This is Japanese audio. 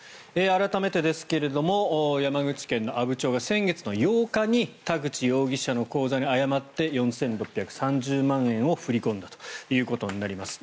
改めてですが山口県阿武町が先月８日に田口容疑者の口座に誤って４６３０万円を振り込んだということになります。